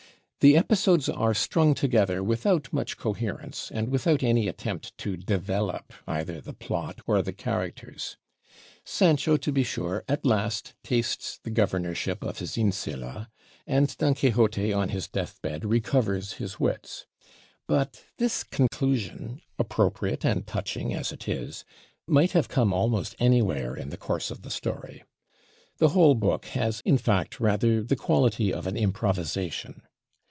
The episodes are strung together without much coherence, and without any attempt to develop either the plot or the characters. Sancho, to be sure, at last tastes the governorship of his Insula, and Don Quixote on his death bed recovers his wits. But this conclusion, appropriate and touching as it is, might have come almost anywhere in the course of the story. The whole book has, in fact, rather the quality of an improvisation.